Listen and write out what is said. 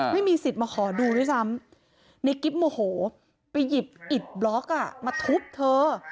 ไม่มีสิทธิ์มาขอดูด้วยซ้ำในกิ๊บโมโหไปหยิบอิดบล็อกอ่ะมาทุบเธอ